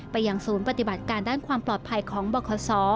ยังศูนย์ปฏิบัติการด้านความปลอดภัยของบคศ